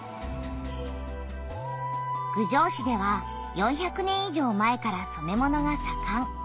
郡上市では４００年いじょう前から染め物がさかん。